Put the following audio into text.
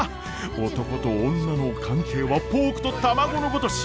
男と女の関係はポークと卵のごとし！